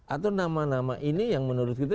atau nama nama ini yang menurut kita